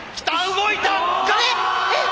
動いたが！